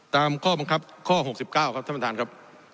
ตามข้อบังคับข้อ๖๙ครับท่านประธานครับ